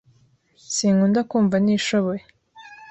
Sinkunda kumva ntishoboye.